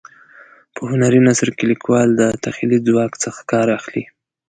په هنري نثر کې لیکوال له تخیلي ځواک څخه کار اخلي.